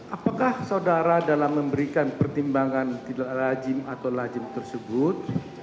apakah saudara dalam memberikan pertimbangan tidak lajim atau lajim tersebut